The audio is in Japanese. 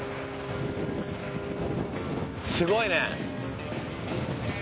すごいね。